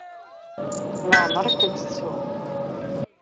Leɛmeɛ i kent-ttuɣ.